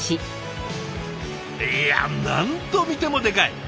いや何度見てもでかい！